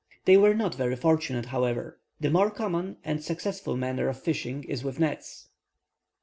They were not very fortunate, however. The more common and successful manner of fishing is with nets.